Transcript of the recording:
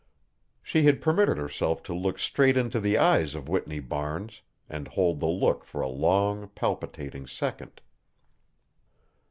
She had permitted herself to look straight into the eyes of Whitney Barnes and hold the look for a long, palpitating second.